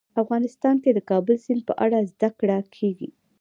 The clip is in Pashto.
افغانستان کې د کابل سیند په اړه زده کړه کېږي.